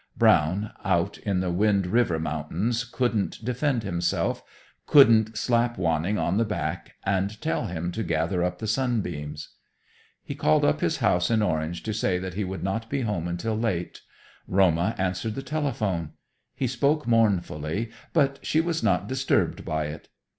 Brown, out in the Wind River mountains, couldn't defend himself, couldn't slap Wanning on the back and tell him to gather up the sunbeams. He called up his house in Orange to say that he would not be home until late. Roma answered the telephone. He spoke mournfully, but she was not disturbed by it.